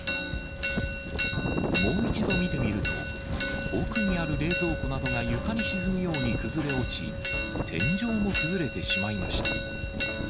もう一度見てみると、奥にある冷蔵庫などが床に沈むように崩れ落ち、天井も崩れてしまいました。